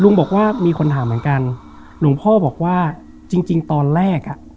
บอกว่ามีคนถามเหมือนกันหลวงพ่อบอกว่าจริงจริงตอนแรกอ่ะ